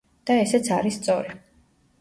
და ესეც არის სწორი.